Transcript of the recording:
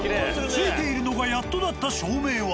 付いているのがやっとだった照明は。